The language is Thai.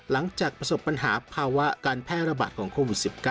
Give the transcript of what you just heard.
หลังจากประสบปัญหาภาวะการแพร่ระบาดของโควิด๑๙